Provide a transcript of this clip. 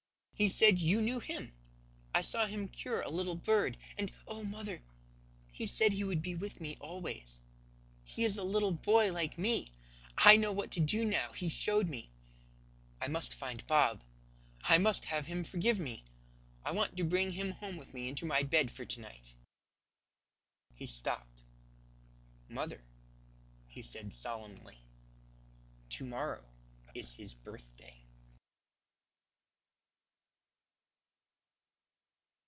He said you knew Him. I saw him cure a little bird. And oh, mother, He said He would be with me always. He is a little boy like me! I know what to do now. He showed me. I must find Bob; I must have him forgive me. I want to bring him home with me into my bed for to night." He stopped. "Mother," he said solemnly, "to morrow is His birthday."